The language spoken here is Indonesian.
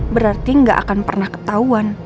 berarti gak akan pernah ketahuan